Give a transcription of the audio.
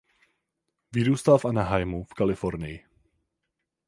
Vyrůstal v Anaheimu v Kalifornii.